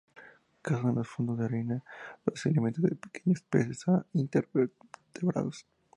Caza en los fondos de arena, donde se alimenta de pequeños peces e invertebrados.